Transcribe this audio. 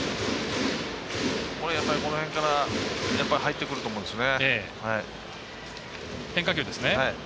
この辺から入ってくると思います。